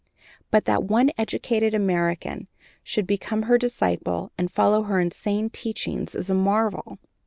But that one educated American should become her disciple and follow her insane teachings is a marvel."